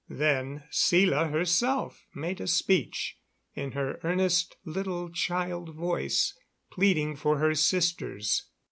Then Sela herself made a speech, in her earnest little child voice, pleading for her sisters.